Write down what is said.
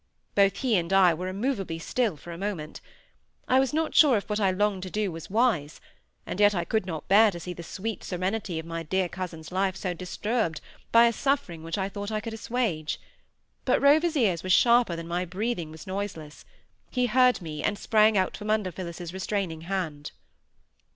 Both he and I were immovably still for a moment. I was not sure if what I longed to do was wise: and yet I could not bear to see the sweet serenity of my dear cousin's life so disturbed by a suffering which I thought I could assuage. But Rover's ears were sharper than my breathing was noiseless: he heard me, and sprang out from under Phillis's restraining hand.